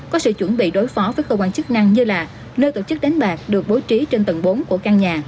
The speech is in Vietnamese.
có sự chuẩn bị đối phó với cơ quan chức năng như là nơi tổ chức đánh bạc được bố trí trên tầng bốn của căn nhà